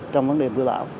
trong vấn đề mùa bão